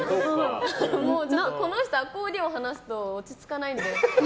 ちょっと、この人アコーディオン離すと落ち着かないので。